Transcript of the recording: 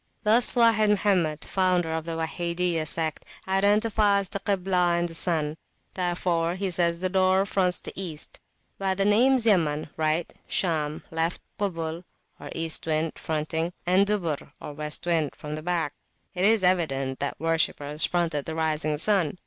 Thus Wahid Mohammed, founder of the Wahidiyah sect, identifies the Kiblah and the sun; wherefore he says the door fronts the East. By the names Yaman (right hand), Sham (left hand), Kubul, or the East wind (fronting), and Dubur, or the West wind (from the back), it is evident that worshippers fronted the rising sun.